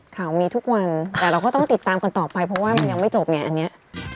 ข่าวมีทุกวันแต่เราก็ต้องติดตามกันต่อไปเพราะว่ามันยังไม่จบไงอันนี้